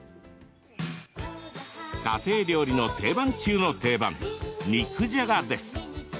家庭料理の定番中の定番肉じゃがです。